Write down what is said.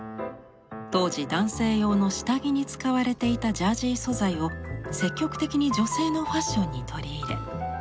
当時男性用の下着に使われていたジャージー素材を積極的に女性のファッションに取り入れ